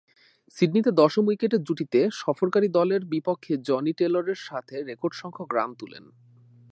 সিডনিতে দশম উইকেট জুটিতে সফরকারী দলের বিপক্ষে জনি টেলরের সাথে রেকর্ডসংখ্যক রান তুলেন।